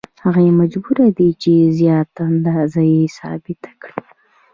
هغه مجبور دی چې زیاته اندازه یې ثابته کړي